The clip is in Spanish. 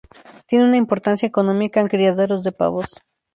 Tiene una importancia económica en criaderos de pavos.